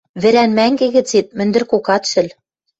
«Вӹрӓн мӓнгӹ» гӹцет мӹндӹркок ат шӹл.